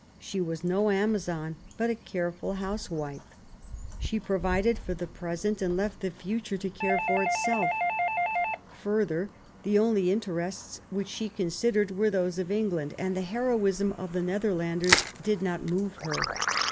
She was no Amazon, but a THE CRISIS, 219 careful housewife. She provided for the present and left the future to care for itself. Further, the only interests which she considered were those of England, and the heroism of the Netherlanders did not move her.